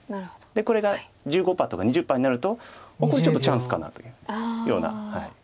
これが１５％とか２０％になると「おっ！これチャンスかな」というような。